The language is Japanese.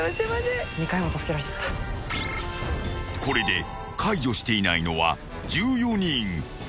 ［これで解除していないのは１４人］